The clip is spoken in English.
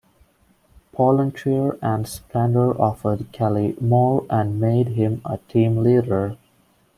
Pollentier and Splendor offered Kelly more and made him a team leader.